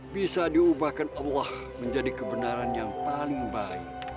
bisa diubahkan allah menjadi kebenaran yang paling baik